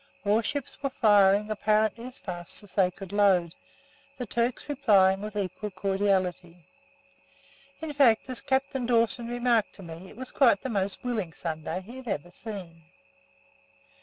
Warships were firing apparently as fast as they could load, the Turks replying with equal cordiality. In fact, as Captain Dawson remarked to me, it was quite the most "willing" Sunday he had ever seen.